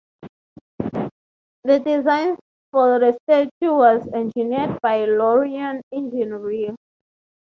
The design for the statue was engineered by Laurien Eugene Riehl.